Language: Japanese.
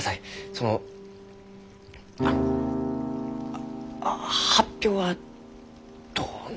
その発表はどうなるがですか？